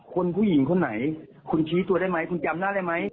ผู้หญิงคนไหนคุณชี้ตัวได้ไหมคุณจำหน้าได้ไหม